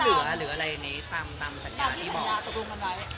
หรือเหลืออะไรนี้ที่ตามสัญญาที่บอก